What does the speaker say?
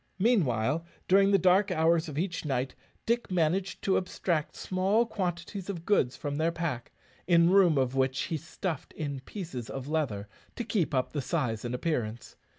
Meanwhile, during the dark hours of each night, Dick managed to abstract small quantities of goods from their pack, in room of which he stuffed in pieces of leather to keep up the size and appearance.